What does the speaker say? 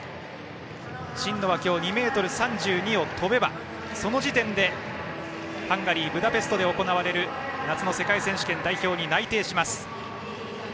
真野は今日、２ｍ３２を跳べばその時点でハンガリーのブダペストで行われる夏の世界選手権代表に内定します。